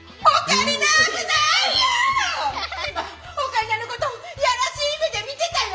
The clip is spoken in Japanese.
今オカリナのことをいやらしい目で見てたよ！